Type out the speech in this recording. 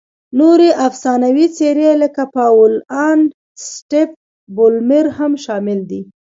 نورې افسانوي څېرې لکه پاول الن، سټیف بولمیر هم شامل دي.